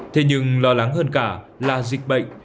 thế nhưng lo lắng hơn cả là dịch bệnh